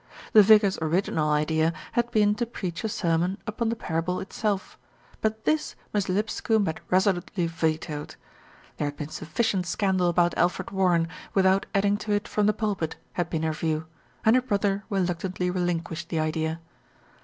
The vicar's original idea had been to preach a ser mon upon the parable itself; but this Miss Lipscombe had resolutely vetoed. There had been sufficient scan dal about Alfred Warren without adding to it from the pulpit, had been her view, and her brother reluc tantly relinquished the idea.